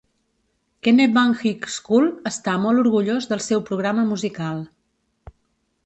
Kennebunk High School està molt orgullós del seu programa musical.